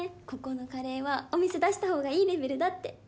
ここのカレーはお店出したほうがいいレベルだって！